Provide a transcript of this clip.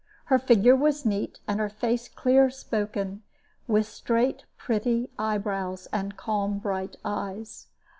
Her figure was neat, and her face clear spoken, with straight pretty eyebrows, and calm bright eyes.